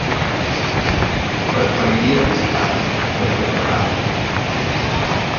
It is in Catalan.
Preferiria visitar Benirredrà.